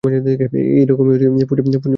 এইরকমে পঞ্চুর দিন চলে যাচ্ছিল।